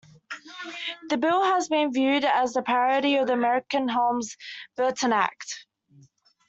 The bill has been viewed as a parody of the American Helms-Burton Act.